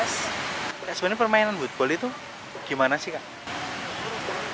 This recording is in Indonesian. sebenarnya permainan wood bowl itu gimana sih kak